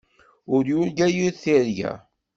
Ur yurga yir tirga.